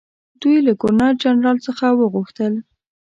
دوی له ګورنرجنرال څخه وغوښتل.